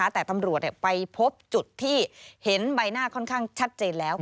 แต่ตำรวจไปพบจุดที่เห็นใบหน้าค่อนข้างชัดเจนแล้ว